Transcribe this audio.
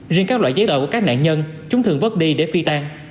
riêng các loại giấy tờ của các nạn nhân chúng thường vớt đi để phi tan